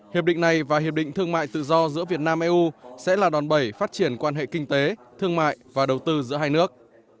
hiệp định này và hiệp định thương mại tự do giữa việt nam eu sẽ là đòn bẩy phát triển quan hệ kinh tế thương mại và đầu tư giữa hai nước